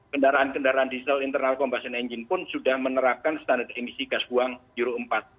kendaraan kendaraan diesel internal combustion engine pun sudah menerapkan standar emisi gas buang euro empat